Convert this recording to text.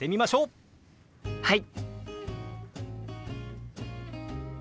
はい！